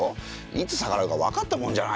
いつ逆らうか分かったもんじゃないですよ。